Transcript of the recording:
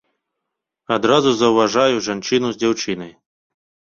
Адразу заўважаю жанчыну з дзяўчынай.